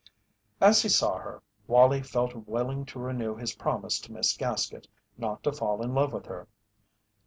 As he saw her, Wallie felt willing to renew his promise to Miss Gaskett not to fall in love with her.